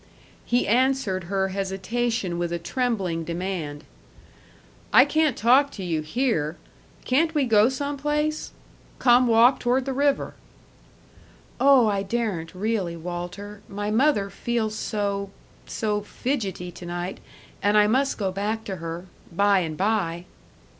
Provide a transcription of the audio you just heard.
He answered her hesitation with a trembling demand. "I can't talk to you here! Can't we go some place Come walk toward the river." "Oh, I daren't really, Walter. My mother feels so so fidgety to night and I must go back to her.... By and by."